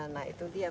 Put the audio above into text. nah itu dia